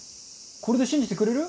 これで信じてくれる？